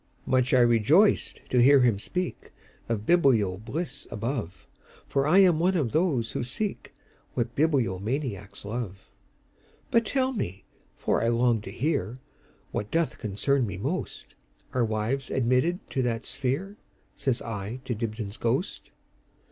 Much I rejoiced to hear him speakOf biblio bliss above, For I am one of those who seekWhat bibliomaniacs love."But tell me, for I long to hearWhat doth concern me most, Are wives admitted to that sphere?"Says I to Dibdin's ghost.